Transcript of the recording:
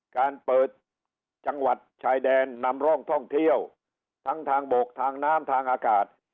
การเปิดจังหวัดชายแดนนำร่องท่องเที่ยวทั้งทางบกทางน้ำทางอากาศ